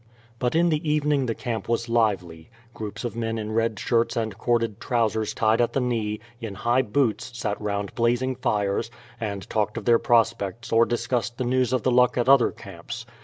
But in the evening the camp was lively. Groups of men in red shirts and corded trousers tied at the knee, in high boots, sat round blazing fires, and talked of their prospects or discussed the news of the luck at other camps.